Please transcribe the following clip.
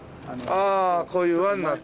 あこういう輪になって。